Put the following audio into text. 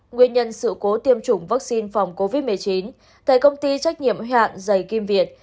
nguyên nhân sự cố tiêm chủng vaccine phòng covid một mươi chín tại công ty trách nhiệm hạn dày kim việt